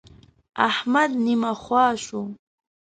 احمد نيمه خوا شو.